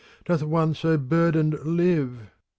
doth one so burdened live